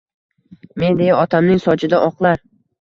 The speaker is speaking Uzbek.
Men deya otamning sochida oqlar